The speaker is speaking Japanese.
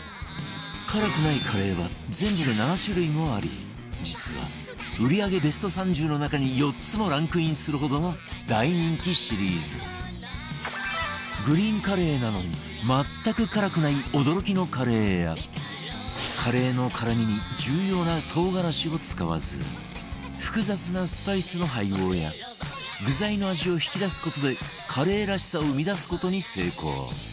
辛くないカレーは全部で７種類もあり実は売り上げベスト３０の中に４つもランクインするほどの大人気シリーズグリーンカレーなのに全く辛くない驚きのカレーやカレーの辛みに重要な唐辛子を使わず複雑なスパイスの配合や具材の味を引き出す事でカレーらしさを生み出す事に成功